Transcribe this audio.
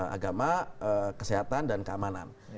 agama kesehatan dan keamanan